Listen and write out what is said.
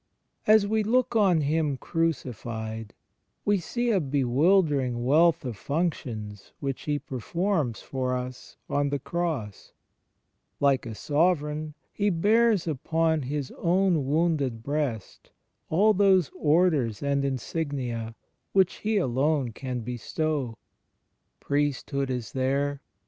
As we look on Him crucified, we see a bewildering wealth of functions which He performs for us on the Cross; like a Sovereign He bears upon His own wounded Breast all those orders and insignia, which He alone can bestow. Priesthood is there.